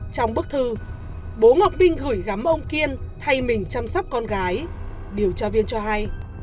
trong bức thư bố ngọc vinh gửi gắm ông kiên thay mình chăm sóc con gái điều tra viên cho hay